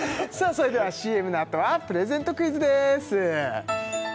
それではＣＭのあとはプレゼントクイズです